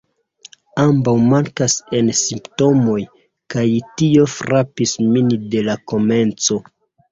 Ambaŭ mankas en Simptomoj, kaj tio frapis min de la komenco.